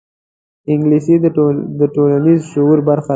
انګلیسي د ټولنیز شعور برخه ده